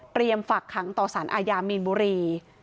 เตรียมฝักหางต่อสารอายามีนบุรี